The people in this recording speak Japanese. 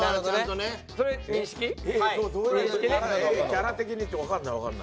キャラ的にってわかんないわかんない。